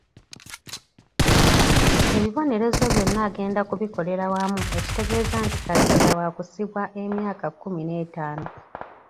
Ebibonerezo byonna agenda kubikolera wamu ekitegeeza nti Kazinda waakusibwa emyaka kumi n'etaano.